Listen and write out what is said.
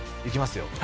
いきますよ。